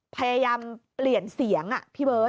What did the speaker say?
พยายามเปลี่ยนเสียงพี่เบิร์ต